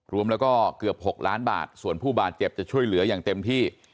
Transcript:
รวมแล้วก็เกือบ๖ล้านบาทส่วนผู้บาดเจ็บจะช่วยเหลืออย่างเต็มที่